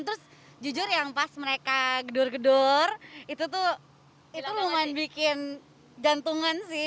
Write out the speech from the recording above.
terus jujur yang pas mereka gedor gedor itu tuh lumayan bikin jantungan sih